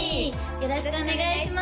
よろしくお願いします